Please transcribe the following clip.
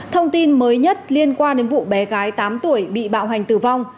thông tin mới nhất liên quan đến vụ bé gái tám tuổi bị bạo hành tử vong